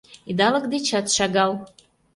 Идалык дечат шагал.